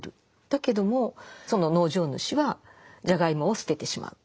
だけどもその農場主はじゃがいもを捨ててしまう。